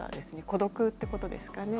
孤独ってことですかね。